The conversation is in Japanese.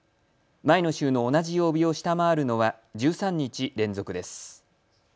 前の週の同じ曜日を下回るのは１３日連続です。